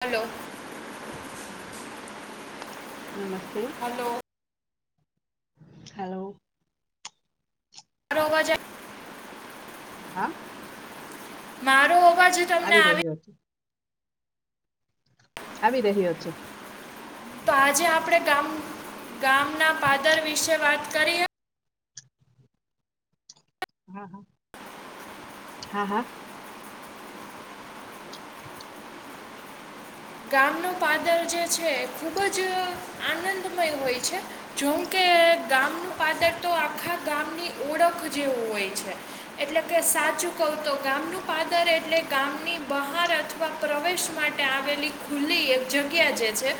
હાલો નમસ્તે hello hello મારો અવાજ આ હ હા મારો અવાજ તમને આવી રહીયો આવી રહ્યો છે તો આજે આપણેે ગામ ગામના પાદર વિશે વાત કરીએ હા હા હા હા ગામનું પાદર જે છે ખુબજ આનંદમય હોય છે જોમકે એ ગામનું પાદર તો આખા ગામની ઓળખ જેવું હોય છે એટલે કે સાચું કવ તો ગામનું પાદર એટલે ગામની બહાર અથવા પ્રવેશ માટે આવેલી ખુલ્લી એક જગ્યા જે છે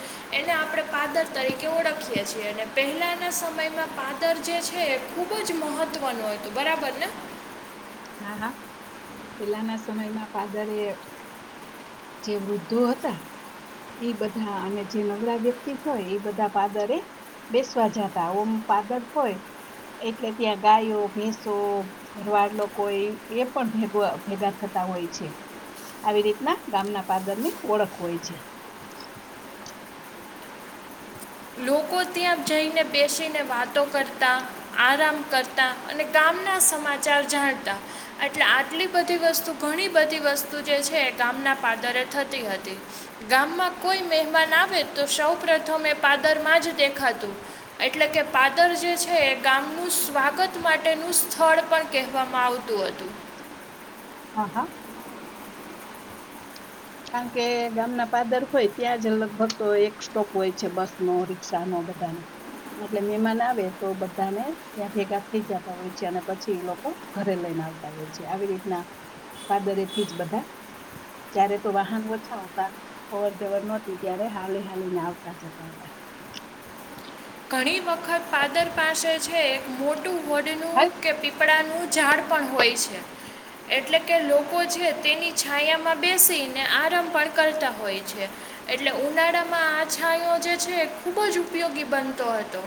એને આપણે પાદર તરીકે ઓળખીએ છીએ અને પહેલાના આ સમયમાં પાદર જે છે એ ખૂબજ મહત્વનું હતું બરાબરને હા પેલાના સમયમાં ફાદરે જે વૃદ્ધો હતા એ બધા અને જે નવરા વ્યક્તિ હોય એ બધા પાદરે બેસવા જતા ઓમ પાદર હોય એટલે ત્યાં ગાયો ભેંસોરવાડલો કોઈ, એ પણ ભેગ ભેગા થતા હોય છે. આવી રીતના, ગામના પાદરની ઓળખ હોય છે. [unintelligible] લોકો ત્યાં જઈને બેસીને વાતો કરતા, આરામ કરતા અને ગામના સમાચાર જાણતા. એટલે આટલી બધી વસ્તુ, ઘણી બધી વસ્તુ જે છે, ગામના પાદરે થતી હતી. ગામમાં કોઈ મહેમાન આવે, તો સૌ પ્રથમ એ પા પાદરમાં જ દેખાતું. એટલે કે પાદર જે છે એ ગામનું સ્વાગત માટેનું સ્થળ પણ કહેવામાં આવતું હતું. હા હા કારણકે ગામના પાદર હોય, ત્યાં જ લગભગ તો એક સ્ટોપ હોય છે, બસનો, રિક્ષાનો. બધાનું. એટલે મેમાન આવે, તો બધાને ત્યાં ભેગા થઈ જાતા હોય છે, અને પછી એ લોકો ઘરે લઈને આવતા હોય છે, આવી રીતના પાદરેથી જ બધા જ્યારે તો વાહન ઓછા હતા, અવર જવર નહોતી, ત્યારે હાલી હાલીને આવતા જતા હતા. [unintelligible] ઘણી વખત પાદર પાસે છે, એક મોટું વડનું હા કે પીપળાનું ઝાડ પણ હોય છે. એટલે કે, લોકો છે તેની છાયામાં બેસીને આરામ પણ કરતા હોય છે. એટલે ઉનાળામાં આ છાંયો જે છે, એ ખુબ જ ઉપયોગી બન તો હતો.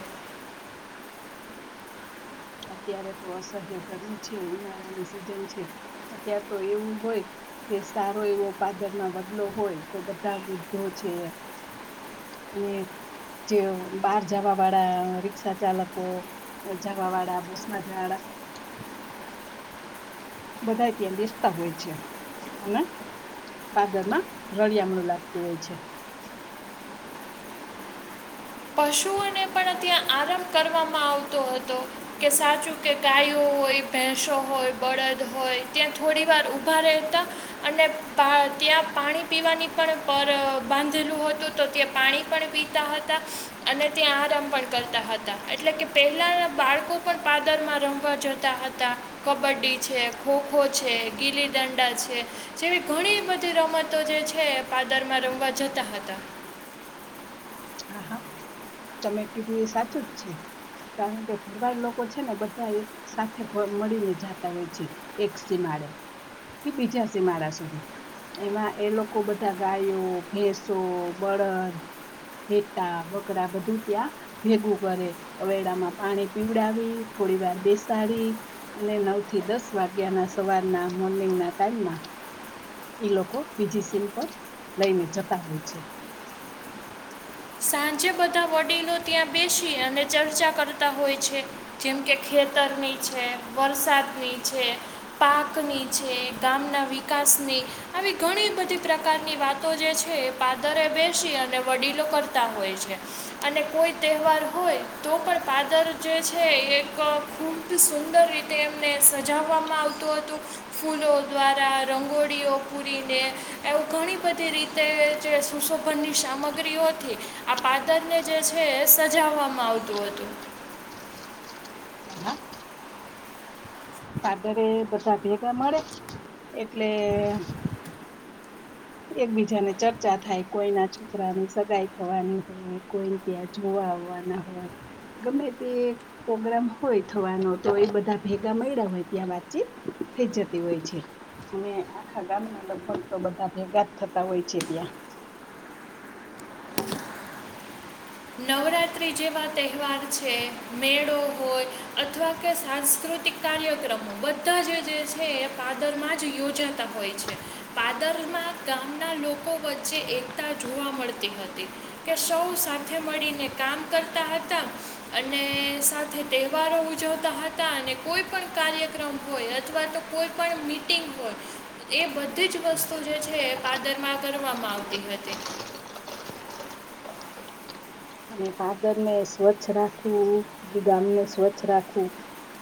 અત્યારે તો અસહ્ય ગરમી છે, ઉનાળાની સિઝન છે. અત્યારે તો એવું હોય કે સારો એવો પાદરમાં વડલો હોય, તો બધા વૃદ્ધો છે [unintelligible] અને, જે બહાર જવા વાળા રિક્ષા ચાલકો જા વાવાળા, બસમાં જાવાવાળા બધાય ત્યાં બેસતા હોય છે, અને પાદરમાં, રળિયામણું લાગતું હોય છે. પશુઓને પણ ત્યાં આરામ કરવામાં આવતો હતો. કે સાચું કે ગાયો હોય, ભેંસો હોય, બળદ હોય, ત્યાં થોડી વાર ઊભા રહેતા, અને પા ત્યાં પાણી પીવાની પણ પર બાંધેલું હતું, તો ત્યાં પાણી પણ પીતા હતા. અને ત્યાં આરામ પણ કરતા હતા. એટલે કે પહેલાના બાળકો પણ પાદરમાં રમવા જતા હતા. કબડ્ડી છે, ખોખો છે, ગીલી દંડા છે, જેવી ઘણી એ બધી રમતો જે છે, પાદરમાં રમવા જતા હતા. હા, હા. તમે કીધું એ સાચું જ છે. કારણ કે ભરવાડ લોકો છે ને, બધા એક સાથે ભ મળીને જાતા હોય છે. એક સીમા માડેે થી બીજા સિમાડા સુધી. એમાં એ લોકો બધા ગાયો, ભેંસો, બ બળદ [unintelligible] ઘેટા બકરા બધું ત્યાં, ભેગું કરે. હવેડામાં પાણી પીવડાવી, થોડી વાર બેસાડી, અને નવ થી દસ વાગ્યાના સવારના, મોર્નિંગના ટાઈમમાં ઈ લોકો, બીજી સિમ પર લઈને જતા હોય છે. સાંજે બધા વડીલો ત્યાં બેસી, અને ચર્ચા કરતા હોય છે. જેમકે ખે ખેતરની છે, વરસાદની છે, પાકની છે, ગામના વિકાસની આવી ઘણી બધી પ્રકારની વાતો જે છે, એ પાદરે બેસી અને વડીલો કર તા હોય છે. અને કોઈ તહેવાર હોય, તો પણ પાદર જે છે, એક ખૂબ સુંદર રીતે એમને સજાવવામાં આવતું હતું, ફૂલો દ્વારા, રંગોળી ળીઓ પૂરીને, એવું ઘણી બધી રીતે જે સુશોભનની સામગ્રીઓથી આ પાદરને જે છે, સજાવવામાં આવતું હતું. આધરે બધા ભેગા મળે એટલે [unintelligible] એકબીજાને ચર્ચા થાય કોઈના છોકરાની સગાઈ થવાની હોય કોઈને ત્યાં જોવા હો ગમે તે પ્રગ્રામ હોય થવાનો તો એ બધા ભેગા મળ હોય ત્યાં વાતચીત થઈ જતી હોય છે અને આખા ગામના લગભગ તો બધા ભેગા જ થતા હોય છે ત્યાં નવરાત્ર્રી જેવા તહેવાર છે મેળો હોય અથવા કે સાંસ્કૃતિક કાર્યક્રમો બધા જ છે એ પાદરમાં જ યોજાતા હોય છે પાદર ગામના લોકો વચ્ચે એકતા જોવા મળતી હતી કે સૌ સાથે મળીને કામ કરતા હતા અને સાથે તહેવારો ઉજવતા હતા અને અને કોઈ પણ કાર્યક્રમ હોય અથવા તો કોઈ પણ મીટિંગ હોય એ બધી જ વસ્તુ જે છે પાદરમાં કરવામાં આવતી હતી અમે પાદર ને સ્વચ્છ રાખવું કે ગામને સ્વચ્છ રાખવું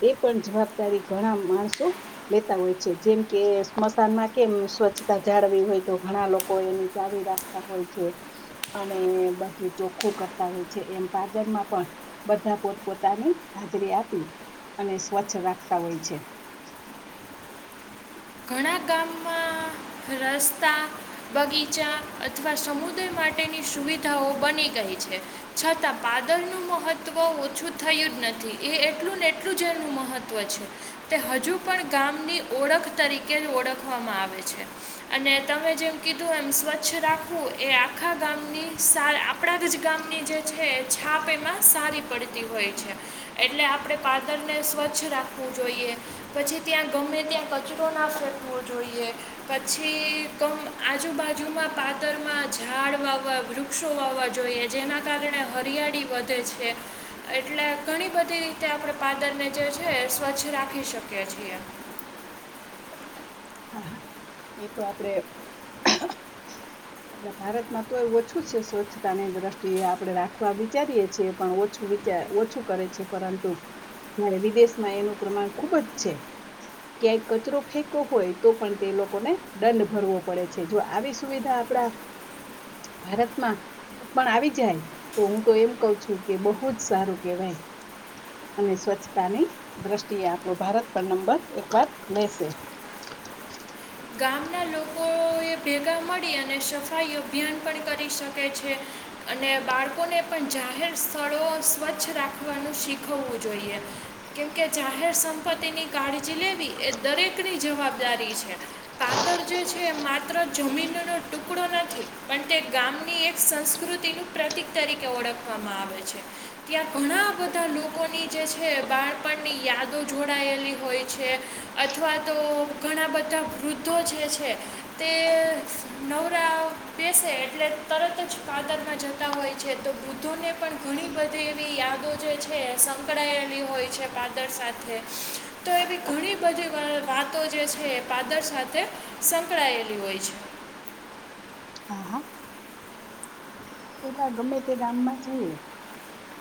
એ પણ જવાબદારી ઘણા માણસો લેતા હોય છે જેમ કે સ્મશાનમાં કે સ્વચ્છતા જાળવી હોય તો ઘણા લોકો એને ચાવી રાખતા હોય છે અને બધું ચોખ્ખું કરતા હોય છે એમ પાદર માં પણ બધા પોત પોતાની હાજરી આપી અને સ્વચ્છ રાખતા હોય છે ઘણા ગામમાં રસ્તા બગીચા અથવા સમુદ્ર માટે માટેની સુવિધાઓ બની ગઈ છે છતાં પાદર નું મહત્વ ઓછું થયું જ નથી નથી એ એટલું ને એટલું જ એનું મહત્ત્વ છે તે હજુ પણ ગામની ઓળખ તરીકે ઓળખવામાં આવે છે અને તમે જેમ કીધું એમ સ્વચ્છ રાખવું એ આ આખા ગામની સા આપણા જ જ ગામની જે છે એ છાપ એમાં સારી પડતી હોય છે એટલે આપણેે પાદરને સ્વચ્છ રાખવું જોઈએ પછી ત્યાં ગમે ત્યાં કચરો ના ફેંકવો જોઈએ પછી કમ આજુબાજુમાં પાદરમાં જ ઝાડ વાવવા વૃક્ષો વાવવા જોઈએ જેના કારણે હરિયાળી વધે છે એટલે ઘણી બધી રીતે આપણે પાદરને જે છે સ્વચ્છ રાખી શકીએ છીએ [inaudible] હા હા એ તો આપડે આપણા ભારતમાં તો એ ઓછું છે સ્વચ્છતાની દ્રષ્ટિએ આપડણે રાખવા વિચારીએ છીએ પણ ઓછું વિચાર ઓછું કરે છે પરંતુ જ્યારે વિદેશમાં એનું પ્રમાણ ખુબ જ છે ક્યાંય કચરો ફેંકો હોય તો પણ તે લોકોને દંડ ભરવો પડે છે જો આવી સુવિધા આપડા ભારતમાં પણ આવી જાય તો હું તો એમ કઉ છું કે બહુ જ સારું કેવાય અને સ્વચ્છતાની દ્રષ્ટિએ આપણો ભારત પણ નંબર એક વાર લેશે [inaudible] ગામના લોકોએ ભેગા મળી અને સફાઈ અભિયાન પણ કરી શકે છે અને બાળકોને પણ જાહેર સ્થળો સ્વચ્છ રાખવાનું શીખવવું જોઈએ કેમકે જાહેર સંપત્તિની કાળજી લેવી એ દરેકની જવાબદારી છે પાદર જે છે એ માત્ર જમીનનો ટુકડો નથી પણ તે ગામની એક સંસ્કૃતિ નુ પ્રિક તરીકે ઓળખવામાં આવે છે ત્યાં ઘણા બધા લોકોની જે છે બાળપણની યાદો જોડાયેલી હોય છે અથવા તો ઘણા બધા વૃદ્ધ જે છે તે નવરા બેસે એટલે તરત જ પાદર જતા હોય છે તો વૃદ્ધો ને પણ ઘણી બધી એવી યાદો જે છે સંકળાયેલી હોય છે પાદર સાથે તો એવી ઘણી બધી વ વાતો જે છે એ પાદર સાથે એ સંકળાયેલી હોય છે હા હા તેતા ગમે તે ગામમાં છે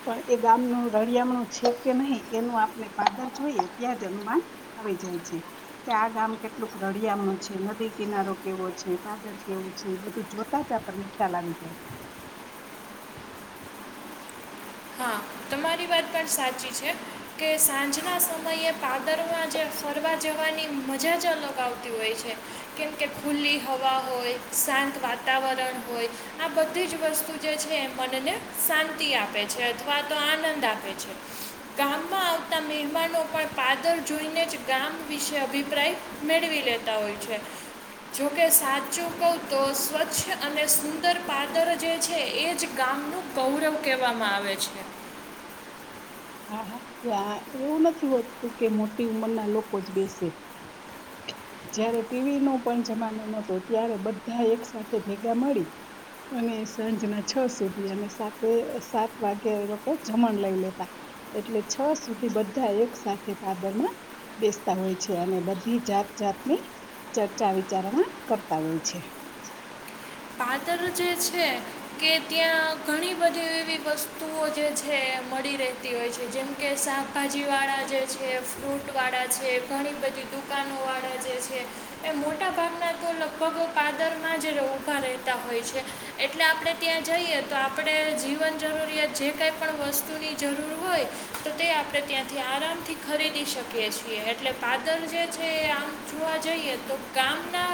પણ એ ગામનું રળિયામણું છે કે નહીં એનું આપને ફાદર જોઈએ ત્યાં જ અનુમાન આવી જાય છે કે આ ગામ કેટલુંક રડિયાનુ છે નદી કિનારો કેવો છે પાદર કેવો છે એ બધું જોતા જ આપણને ખ્યાલ આવી જાય હા તમારી વાત પણ સાચી છે કે સાંજના સમયે પાદરમાં જે ફરવા જવા ની મજા જ અલગ આવતી હોય છે કેમકે ખુલ્લી હવા હોય શાંત વાતાવરણ વરણ હોય આ બધી જ વસ્તુ જે છે એ મનને શાંતિ આપે છે અથવા તો આનંદ આપે છે ગામમાં આવતા મહેમાનો પણ પાદર જોઈનેજ ગામ વિશે અભિપ્રાય મેળવી લેતા હોય છે જોકે સાચું કઉ તો સ્વચ્છ અને સુંદર પાદર જે છે એજ ગામ આમનું ગૌરવ કહેવામાં આવે છે હા હા ત્યાં એવું નથી હોતું કે મોટી ઉમરના લોકો જ બેસે [unintelligible] જયારે ટીવી નો પણ જમાનો નહતો ત્યારે બધા એક સાથે ભેગા મળી અને સાંજના છ સુધી અને સાતે સાત વાગે એ લોકો જમણ લઈ લેતા એટલે છ સુધી બધા એક સાથે પાદરમાં બેસતા હોય છે અને બધી જાત જાતની ચર્ચા વિચારણા કરતા હોય છે પાદર જે છે કે ત્યાં ઘણી બધી એવી વસ્તુઓ જે છે મળી રહેતી હોય છે જેમ કે શાકભાજી વાળા જે છે ફ્રૂટ વાળા છે ઘણી બધી દુકાનો વાળા જે છે એ મોટા ભાગના તો લગભગ પાદર માંજ ઉભા રહે તા હોય છે એટલે આપડે ત્યાં જઈએ તો આપડે જીવન જરૂરિયાત જે કંઈ પણ વસ્તુની ની જરૂર હોય તો તે આપણે ત્યાંથી આરામથી ખરીદી શકીએ છીએ એટલે પાદર જે છે આમ જોવા જઈએ તો ગામના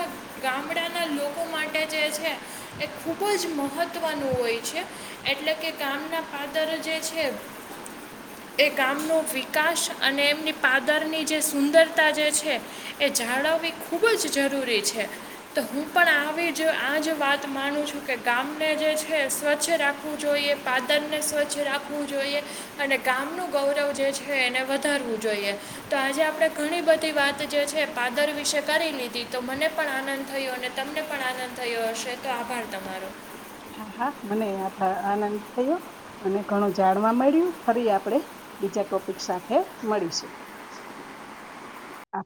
ગામડાના લોકો માટે જે છે એ ખૂબ જ મહત્ત્વનું હોય છે એટલે કે ગામના પાદર જે છે હ એ ગામનો વિકાસ અને એમની પાદરની જે સુંદરતા જે છે જાળવવી ખુબ જ જરૂરી છે તો હું પણ આવી આજ વાત માનું છું કે ગામને જે છે સ્વચ્છ રાખવું જોઈએ પાદન ને સ્વચ્છ રાખવું જોઈએ અને ગામનું ગૌરવ જે છે એને વધારવું જોઈએ તો આજે આપણે ઘણી બધી વાત જે છે પાદર વિશે કરી લીધી તો મને પણ આનંદ થયો અને તમને પણ આનંદ થયો હશે આભાર તમારો હા હા મને આ આનંદ થયો અને ઘણું જાણવા મળ્યું ફરી આપડે બીજા ટોપિક સાથે મળીશું [unintelligible] આભાર